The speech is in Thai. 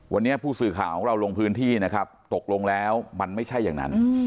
วันนี้ผู้สื่อข่าวของเราลงพื้นที่นะครับตกลงแล้วมันไม่ใช่อย่างนั้น